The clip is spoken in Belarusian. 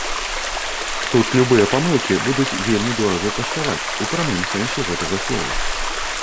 Тут любыя памылкі будуць вельмі дорага каштаваць у прамым сэнсе гэтага слова.